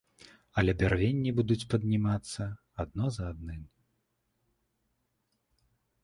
Але бярвенні будуць паднімацца адно за адным.